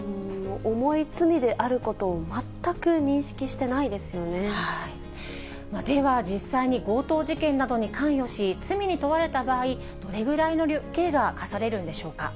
重い罪であることを全く認識では、実際に強盗事件などに関与し、罪に問われた場合、どれぐらいの刑が科されるんでしょうか。